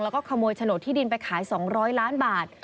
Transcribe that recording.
แล้วก็ขโมยโฉนดที่ดินไปขาย๒๐๐ล้านบาท